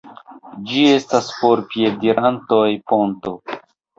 Ĝi estas por piedirantoj ponto.